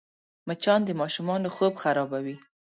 مچان د ماشومانو خوب خرابوي